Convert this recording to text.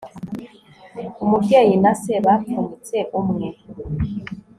umubyeyi na se bapfunyitse umwe